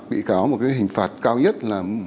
bị cáo một hình phạt cao nhất là